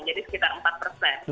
jadi sekitar empat persen